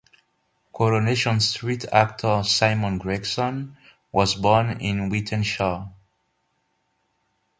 "Coronation Street" actor Simon Gregson was born in Wythenshawe.